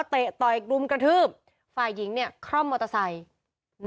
ต่อยกลุ่มกระทืบฝ่ายหญิงเนี่ยคร่อมมอเตอร์ไซค์